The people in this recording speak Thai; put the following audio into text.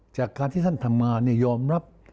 จากการที่ท่านทำมายอมรับ